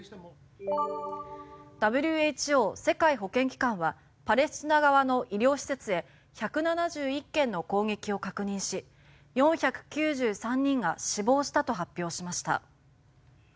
ＷＨＯ・世界保健機関はパレスチナ側の医療施設へ１７１件の攻撃を確認し４９３人が死亡したと発表しました。